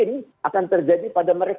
dan ini akan terjadi pada mereka